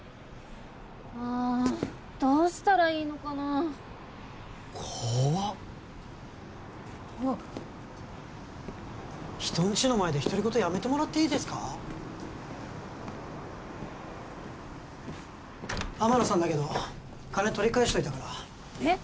ああっどうしたらいいのかな怖っあっ人んちの前で独り言やめてもらっていいですか天野さんだけど金取り返しといたからえっ！？